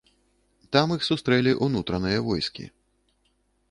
Там іх сустрэлі ўнутраныя войскі.